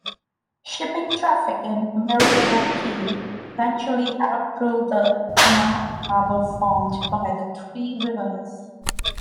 Shipping traffic in Milwaukee eventually outgrew the "inner" harbor formed by the three rivers.